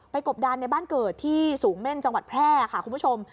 กบดานในบ้านเกิดที่สูงเม่นจังหวัดแพร่ค่ะคุณผู้ชม